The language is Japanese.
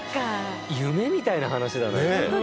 夢みたいな話だな。